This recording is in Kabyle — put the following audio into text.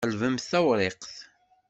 Qelbemt tawṛiqt.